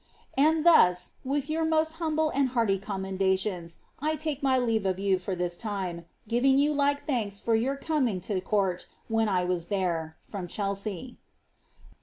And thus, with my most humble and hearty cominendatiooi. I take my leave of you for this time, giving you like thanks for your coming u court when I was there. — From Clielsea.